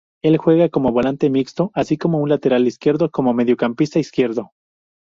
Él juega como un volante mixto así como un lateral izquierdo como Mediocampista Izquierdo.